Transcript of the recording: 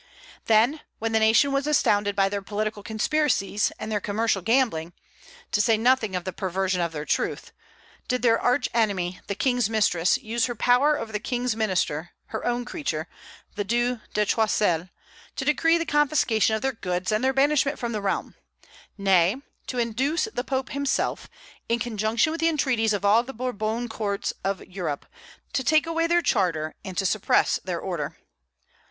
Then, when the nation was astounded by their political conspiracies and their commercial gambling, to say nothing of the perversion of their truth, did their arch enemy, the King's mistress, use her power over the King's minister, her own creature, the Due de Choiseul, to decree the confiscation of their goods and their banishment from the realm; nay, to induce the Pope himself, in conjunction with the entreaties of all the Bourbon courts of Europe, to take away their charter and suppress their order.